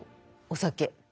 お酒。